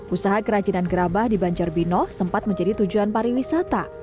usaha kerajinan gerabah di banjarbino sempat menjadi tujuan pariwisata